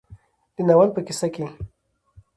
د ناول په کيسه کې